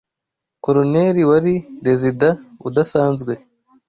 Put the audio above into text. Coloneli wari Rezida udasanzwe